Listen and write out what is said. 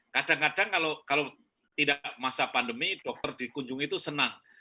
kadang kadang kalau tidak masa pandemi dokter dikunjungi itu senang